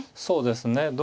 そうですね。